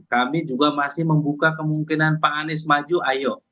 kami juga masih membuka kemungkinan pak anies maju ayo